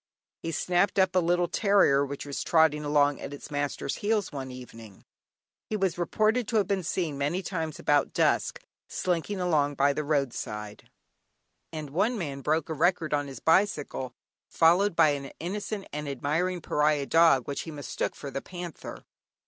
He snapped up a little terrier which was trotting along at its master's heels one evening; he was reported to have been seen many times about dusk, slinking along by the road side, and one man broke a record on his bicycle, followed by an innocent and admiring pariah dog which he mistook for the panther.